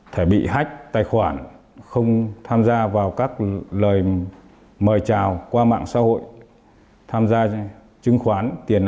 thể bị hách tài khoản không tham gia vào các lời mời chào qua mạng xã hội tham gia trưng khoán tiền